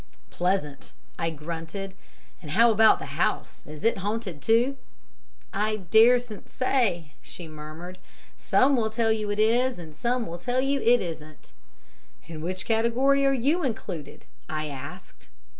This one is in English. "'Pleasant,' I grunted. 'And how about the house is it haunted too?' "'I daresn't say,' she murmured. 'Some will tell you it is, and some will tell you it isn't.' "'In which category are you included?' I asked.